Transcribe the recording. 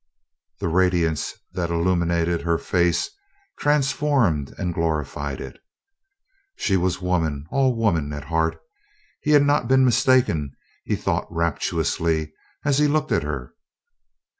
The radiance that illuminated her face transformed and glorified it. She was woman all woman, at heart he had not been mistaken, he thought rapturously as he looked at her.